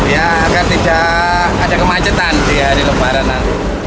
ya agar tidak ada kemacetan di hari lembaran